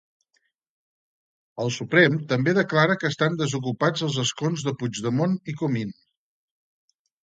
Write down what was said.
El Suprem també declara que estan desocupats els escons de Puigdemont i Comín.